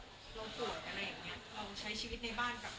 เฉพาะในหลังจากที่เราแบบเราตรวจอะไรอย่างเงี้ย